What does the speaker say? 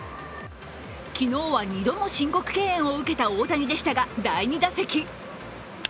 昨日は２度も申告敬遠を受けた大谷でしたが第２打席。